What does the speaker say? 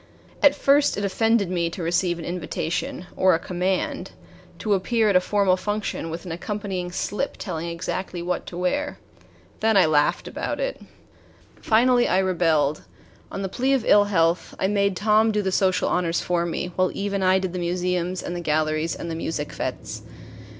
At first it offended me to receive an invitation or a command to appear at a formal function, with an accompanying slip telling exactly what to wear. Then I laughed about it. Finally I rebelled. On the plea of ill health, I made Tom do the social honors for me, while Eve and I did the museums and the galleries and the music fetes.